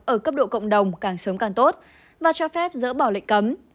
ở cấp độ cộng đồng càng sớm càng tốt và cho phép dỡ bỏ lệnh cấm